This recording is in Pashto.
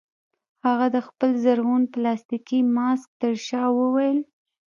هغه د خپل زرغون پلاستيکي ماسک ترشا وویل